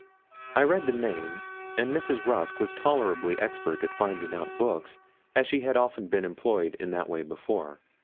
I read the name; and Mrs. Rusk was tolerably expert at finding out books, as she had often been employed in that way before.